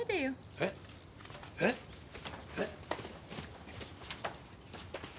えっ？えっ？えっ？